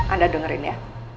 anda dengerin ya